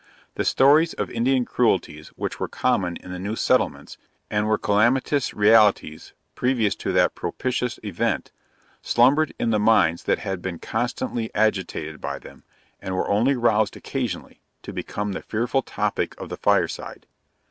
The stories of Indian cruelties which were common in the new settlements, and were calamitous realities previous to that, propitious event; slumbered in the minds that had been constantly agitated by them, and were only roused occasionally, to become the fearful topic of the fireside.